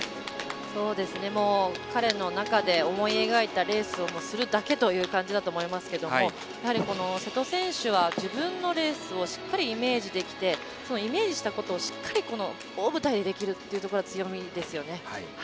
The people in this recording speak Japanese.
彼の中で思い描いたレースをするだけという感じだと思いますけども瀬戸選手は自分のレースをしっかりイメージできてイメージしたことをこの大舞台でできるっていうことは強みですよね。